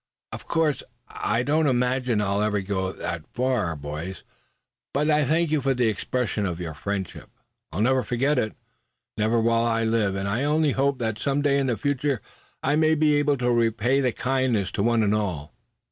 "Of course I don't imagine it'll ever go that far, boys; but I thank you for this expression of your friendship. I will never forget it, suh, never while I live. And I only hope that some day in the future I may be able to repay the kindness to one and to all."